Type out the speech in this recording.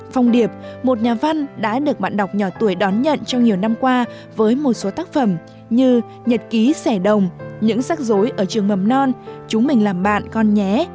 phong điệp một nhà văn đã được bạn đọc nhỏ tuổi đón nhận trong nhiều năm qua với một số tác phẩm như nhật ký xẻ đồng những sắc dối ở trường mầm non chúng mình làm bạn con nhé